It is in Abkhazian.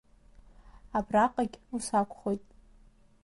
Абраҟагь ус акәхоит…